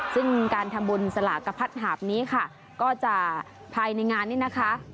ซึ่งการทำบุญสลากกระพัดหาบนี้ค่ะก็จะภายในงานนี้นะคะ